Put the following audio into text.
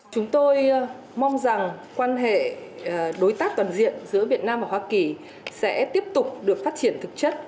chúng tôi mong rằng quan hệ đối tác toàn diện giữa việt nam và hoa kỳ sẽ tiếp tục được phát triển thực chất